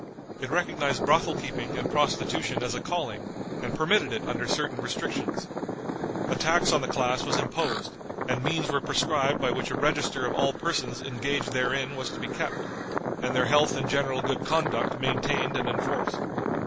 It recognized brothel keeping and prostitution as a calling, and permitted it under certain restrictions. A tax on the class was imposed, and means were prescribed by which a register of all persons engaged therein was to be kept, and their health and general good conduct maintained and enforced.